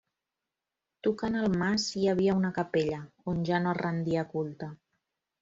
Tocant al mas hi havia una capella, on ja no es rendia culte.